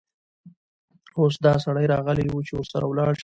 اوس دا سړى راغلى وو، چې ورسره ولاړه شې.